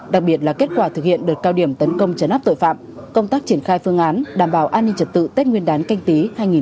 đặc biệt là kết quả thực hiện đợt cao điểm tấn công chấn áp tội phạm công tác triển khai phương án đảm bảo an ninh trật tự tết nguyên đán canh tí hai nghìn hai mươi